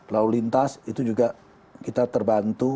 lalu lintas itu juga kita terbantu